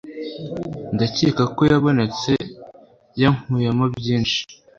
Ndakeka ko yabonetse yankuyemo byinshi